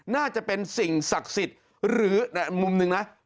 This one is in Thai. น่าจะเป็นสิ่งศักดิ์ศิษย์หรือมุมนึงนะเป็นสิ่งศักดิ์ศิษย์